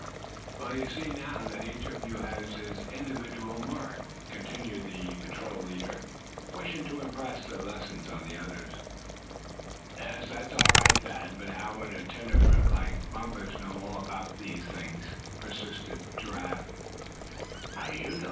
"Well, you see, now, that each one of us has an individual mark," continued the patrol leader, wishing to impress the lesson on the others. "Yes, that's all right, Thad; but how would a tenderfoot like Bumpus know all about these things?" persisted Giraffe. "How do you know?"